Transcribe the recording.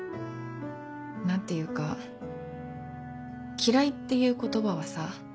何ていうか「嫌い」っていう言葉はさ